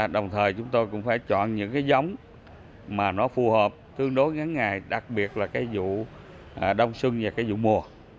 đồng thời chúng tôi cũng phải chọn những cái giống mà nó phù hợp tương đối ngắn ngày đặc biệt là cái vụ đông sưng và cái vụ mùa